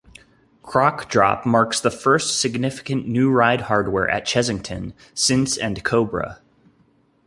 Croc Drop marks the first significant new ride hardware at Chessington since and Kobra.